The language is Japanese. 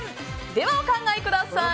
ではお考えください。